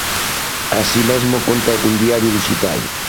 Así mesmo conta cun diario dixital.